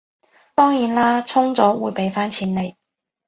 當然啦，充咗會畀返錢你